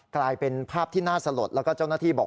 กลายเป็นภาพที่น่าสลดแล้วก็เจ้าหน้าที่บอก